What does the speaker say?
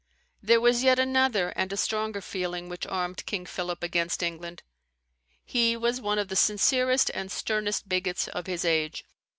There was yet another and a stronger feeling which armed King Philip against England. He was one of the sincerest and sternest bigots of his age.